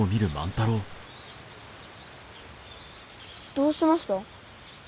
どうしました？